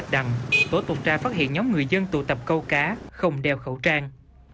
đăng tổ tuần tra phát hiện nhóm người dân tụ tập câu cá không đeo khẩu trang